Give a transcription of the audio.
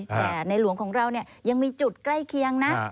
แต่ในหลวงของเราเนี่ยยังมีจุดใกล้เคียงนะ